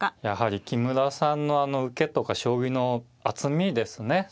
やはり木村さんのあの受けとか将棋の厚みですね